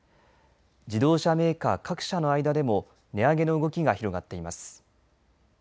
自動車メーカー各社の間でも値上げの動きが広がっています。